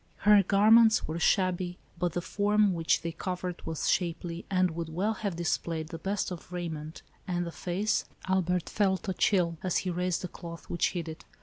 Her garments were shabby, but the form which they covered was shapely, and would well have displayed the best of raiment, and the face — Albert felt a chill, as he raised the cloth which hid it.